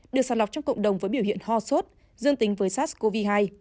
được sàng lọc trong cộng đồng với biểu hiện ho sốt dương tính với sars cov hai